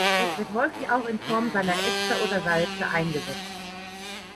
Es wird häufig auch in Form seiner Ester oder Salze eingesetzt.